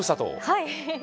はい。